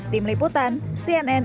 tim liputan cnn